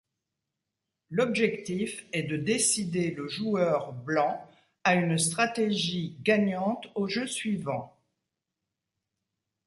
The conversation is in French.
L'objectif est de décider le joueur blanc a une stratégie gagnante au jeu suivant.